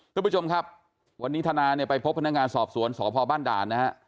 ทุกผู้ชมครับวันนี้ธนาเนี่ยไปพบพนักงานสอบสวนสพบ้านด่านนะฮะ